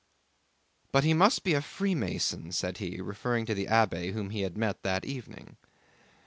"But he must be a Freemason," said he, referring to the abbé whom he had met that evening.